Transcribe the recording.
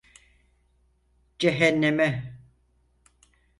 Cehenneme.